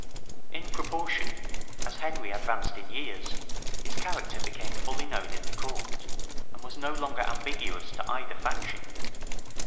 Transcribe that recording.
In proportion as Henry advanced in years, his character became fully known in the court, and was no longer ambiguous to either faction.